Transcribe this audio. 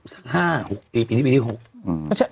สัก๕๖ปีปีนี้ปีที่๖